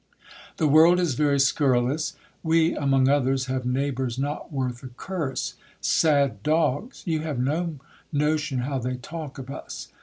The world is very scurrilous ! We, among others, have neighbours not worth a curse. Sad dogs ! You have no notion how they talk of us.